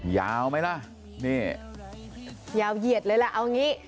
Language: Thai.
ยาวไหมล่ะนี่ยาวเหยียดเลยล่ะเอางี้